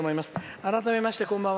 改めましてこんばんは。